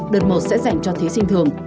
đợt một sẽ dành cho thí sinh thường